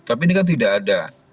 tapi ini kan tidak ada